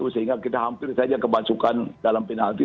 sehingga kita hampir saja kemasukan dalam penalti